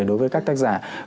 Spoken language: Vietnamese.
đối với các tác giả